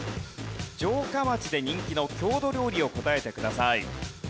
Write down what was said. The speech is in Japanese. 城下町で人気の郷土料理を答えてください。